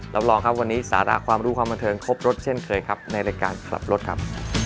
รับรองครับวันนี้สาระความรู้ความบันเทิงครบรถเช่นเคยครับในรายการขับรถครับ